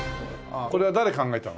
これは誰が考えたの？